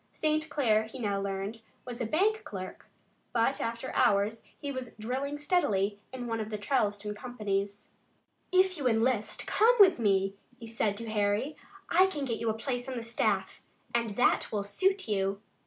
St. Clair, he now learned, was a bank clerk, but after office hours he was drilling steadily in one of the Charleston companies. "If you enlist, come with me," he said to Harry. "I can get you a place on the staff, and that will suit you."